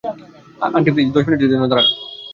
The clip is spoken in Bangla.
আন্টি, প্লীজ, দশ মিনিটের জন্য দাঁড়ান।